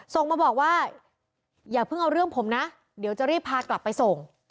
ส่งมาบอกว่าอย่าเพิ่งเอาเรื่องผมนะเดี๋ยวจะรีบพากลับไปส่ง